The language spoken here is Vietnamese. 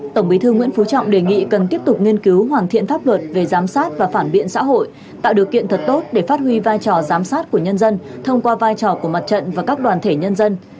tổng bí thư nguyễn phú trọng đề nghị cần tiếp tục nghiên cứu hoàn thiện pháp luật về giám sát và phản biện xã hội tạo điều kiện thật tốt để phát huy vai trò giám sát của nhân dân thông qua vai trò giám sát của nhân dân